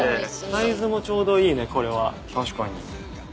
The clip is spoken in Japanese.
サイズもちょうどいいねこれは。